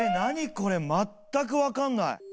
これ全く分かんない。